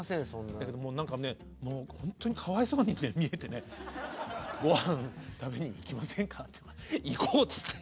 だけどもう何かねほんとにかわいそうに見えてね「ごはん食べに行きませんか？」って言うから行こうって。